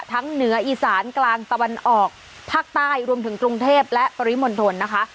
เหนืออีสานกลางตะวันออกภาคใต้รวมถึงกรุงเทพและปริมณฑลนะคะ